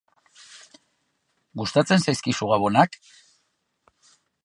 Gustatzen zaizkizu Gabonak?